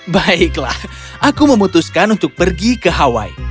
baiklah aku memutuskan untuk pergi ke hawaii